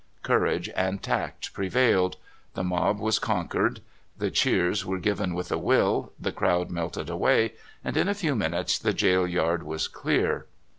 Courage and tact prevailed. The mob was con quered. The cheers were given wath a will, the crowd melted away, and in a few minutes the jail yard was clear.